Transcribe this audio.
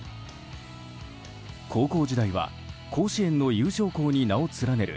高校時代は甲子園の優勝校に名を連ねる